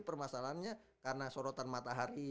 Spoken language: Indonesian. permasalahannya karena sorotan matahari